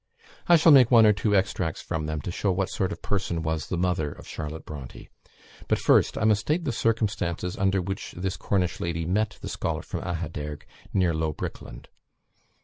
I shall make one or two extracts from them, to show what sort of a person was the mother of Charlotte Bronte: but first, I must state the circumstances under which this Cornish lady met the scholar from Ahaderg, near Loughbrickland.